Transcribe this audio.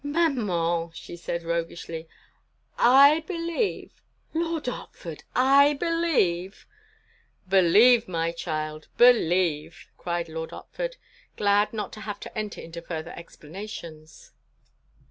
"Maman," she said, roguishly, "I believe!—Lord Otford! I believe—!" "Believe, my child, believe!" cried Lord Otford, glad not to have to enter into further explanations.